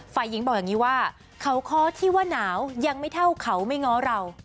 ฝ่ายหญิงบอกอย่างนี้ว่าเขาค้อที่ว่าหนาวยังไม่เท่าเขาไม่ง้อเรา